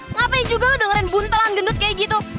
ngapain juga dengerin buntelan gendut kayak gitu